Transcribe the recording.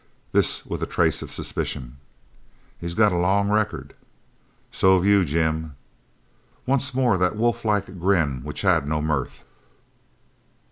This with a trace of suspicion. "He's got a long record." "So've you, Jim." Once more that wolflike grin which had no mirth.